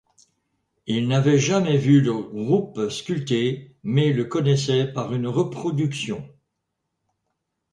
Il n'avait jamais vu le groupe sculpté, mais le connaissait par une reproduction.